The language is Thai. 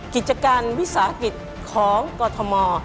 กิจการวิสาหกิจของกรทม